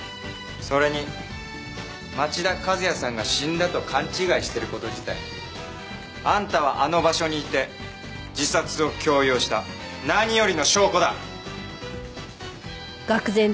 それに町田和也さんが死んだと勘違いしている事自体あんたはあの場所にいて自殺を強要した何よりの証拠だ！